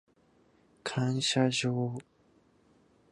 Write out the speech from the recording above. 感謝状